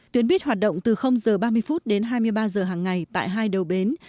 tuyến buýt hoạt động từ h ba mươi phút đến hai mươi ba h hàng ngày tại hai đầu bến